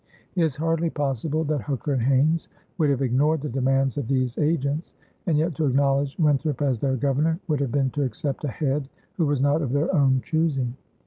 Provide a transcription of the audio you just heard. It is hardly possible that Hooker and Haynes would have ignored the demands of these agents, and yet to acknowledge Winthrop as their governor would have been to accept a head who was not of their own choosing.